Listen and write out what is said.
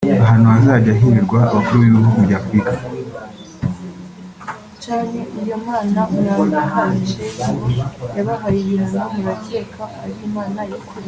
ahantu hazajya hirirwa abakuru b’ibihugu bya Afurika